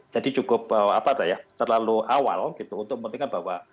jadi cukup apa tahu ya terlalu awal untuk memperhatikan bahwa